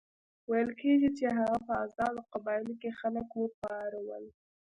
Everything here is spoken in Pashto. ویل کېږي چې هغه په آزادو قبایلو کې خلک وپارول.